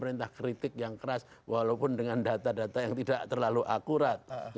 karena dengan pemerintah kritik yang keras walaupun dengan data data yang tidak terlalu akurat